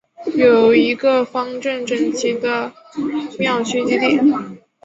有一个方正整齐的庙区基地。